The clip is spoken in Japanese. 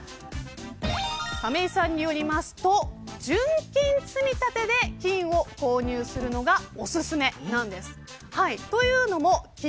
亀井さんによると純金積み立てで金を購入するのがおすすめなんです。